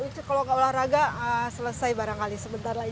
itu kalau nggak olahraga selesai barangkali sebentar lagi